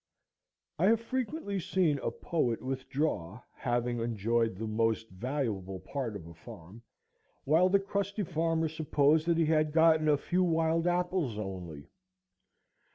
I have frequently seen a poet withdraw, having enjoyed the most valuable part of a farm, while the crusty farmer supposed that he had got a few wild apples only.